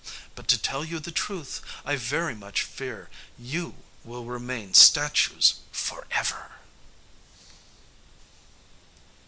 But, to tell you the truth, I very much fear you will remain statues forever."